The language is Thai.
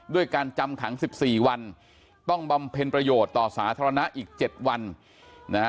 ด้วยการจำขัง๑๔วันต้องบำเพ็ญประโยชน์ต่อสาธารณะอีก๗วันนะฮะ